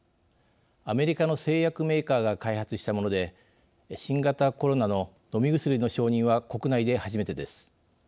アメリカの製薬メーカーが開発したもので新型コロナの飲み薬の承認は国内で初めてです。